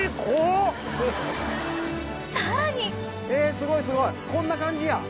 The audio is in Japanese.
さらにえすごいすごいこんな感じや。